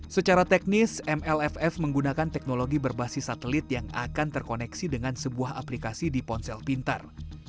secara teknis mlff menggunakan teknologi berbasis satelit yang akan terkoneksi dengan sebuah aplikasi di ponsel pintar